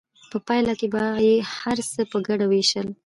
په پایله کې به یې هر څه په ګډه ویشل.